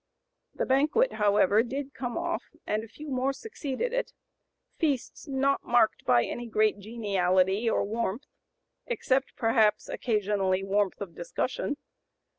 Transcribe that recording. The banquet, however, did come off, and a few more succeeded it; feasts not marked by any great geniality or warmth, except perhaps occasionally warmth of discussion.